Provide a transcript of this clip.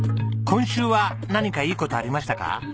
今週は何かいい事ありましたか？